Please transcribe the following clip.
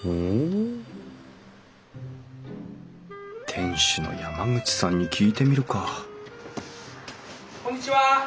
店主の山口さんに聞いてみるか・こんにちは！